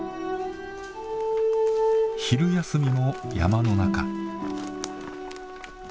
昼休みも山の中。